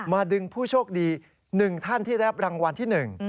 ดึงผู้โชคดี๑ท่านที่ได้รับรางวัลที่๑